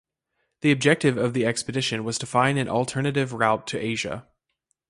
The objective of the expedition was to find an alternative route to Asia.